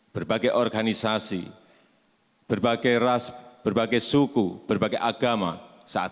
berbagai organisasi berbagai ras berbagai suku berbagai agama saat ini